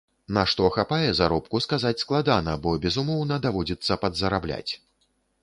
На што хапае заробку, сказаць складана, бо, безумоўна, даводзіцца падзарабляць.